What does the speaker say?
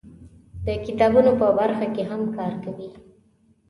د کتابونو په برخه کې هم کار کوي.